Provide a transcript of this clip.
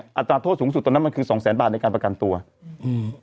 อัตราโทษสูงสุดตอนนั้นมันคือสองแสนบาทในการประกันตัวอืม